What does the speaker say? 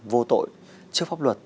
vô tội trước pháp luật